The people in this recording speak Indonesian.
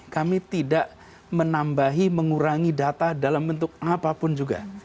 kami tidak menambahi mengurangi data dalam bentuk apapun juga